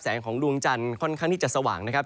ของดวงจันทร์ค่อนข้างที่จะสว่างนะครับ